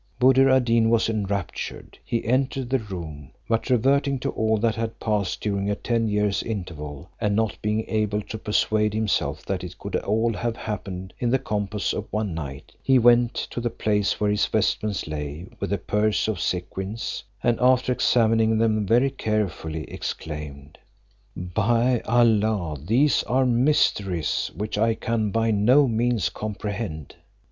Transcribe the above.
Buddir ad Deen was enraptured; he entered the room, but reverting to all that had passed during a ten years' interval, and not being able to persuade himself that it could all have happened in the compass of one night, he went to the place where his vestments lay with the purse of sequins; and after examining them very carefully, exclaimed, "By Allah these are mysteries which I can by no means comprehend!"